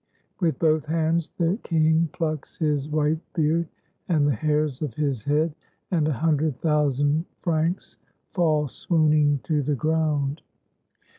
With both hands the king plucks his white beard and the hairs of his head. And a hun dred thousand Franks fall swooning to the ground.